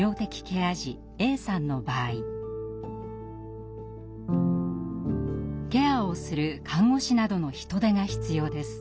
ケアをする看護師などの人手が必要です。